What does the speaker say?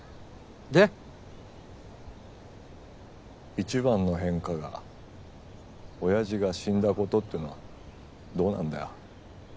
一番の変化がおやじが死んだ事っていうのはどうなんだよ。